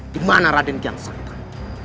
dimana raden kian santang